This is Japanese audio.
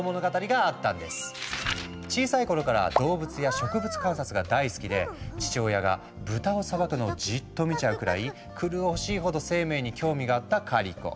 小さい頃から動物や植物観察が大好きで父親が豚をさばくのをじっと見ちゃうくらい狂おしいほど生命に興味があったカリコ。